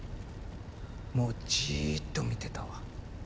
もうじぃっと見てたわ。